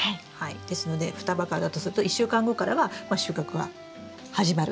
ですので双葉からだとすると１週間後からは収穫は始まるということですね。